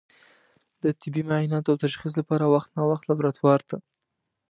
د طبي معایناتو او تشخیص لپاره وخت نا وخت لابراتوار ته